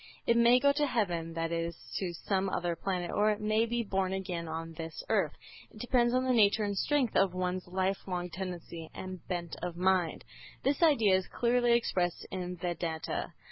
It may go to heaven, that is, to some other planet, or it may be born again on this earth. It depends on the nature and strength of one's life long tendency and bent of mind. This idea is clearly expressed in Vedanta.